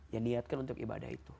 ya niatkan untuk ibadah itu